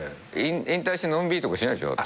引退してのんびりとかしないでしょ？